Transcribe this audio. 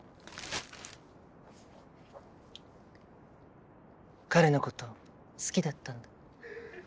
彼のこと好きだったんだ？